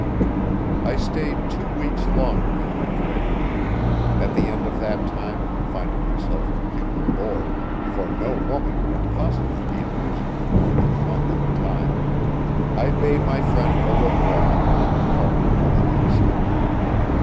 I stayed two weeks longer in Madrid. At the end of that time, finding myself completely bored (for no woman can possibly be amusing for more than a month at a time), I bade my friend au revoir and departed for the East.